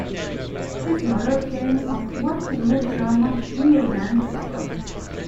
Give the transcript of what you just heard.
His mother came of well-to-do German yeoman stock.